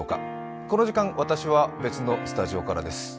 この時間、私は別のスタジオからです。